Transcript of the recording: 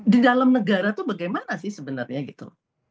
di dalam negara itu bagaimana sih sebenarnya gitu